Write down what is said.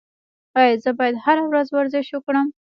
ایا زه باید هره ورځ ورزش وکړم؟